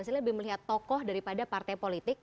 saya lebih melihat tokoh daripada partai politik